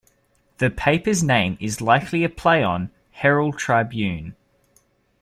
The paper's name is likely a play on "Herald Tribune".